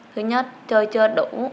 thứ nhất chơi chưa đủ